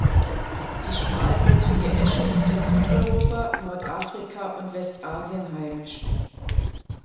Die Schmalblättrige Esche ist in Südeuropa, Nordafrika und Westasien heimisch.